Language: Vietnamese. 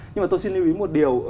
nhưng mà tôi xin lưu ý một điều